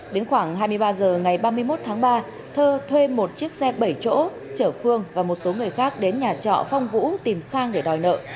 đến khoảng hai mươi ba h ngày ba mươi một tháng ba thơ thuê một chiếc xe bảy chỗ chở phương và một số người khác đến nhà trọ phong vũ tìm khang để đòi nợ